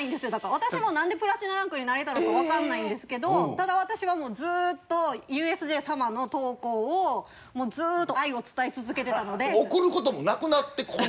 私もなんでプラチナランクになれたのかわかんないんですけどただ私はずーっとＵＳＪ様の投稿をずーっと愛を伝え続けてたので。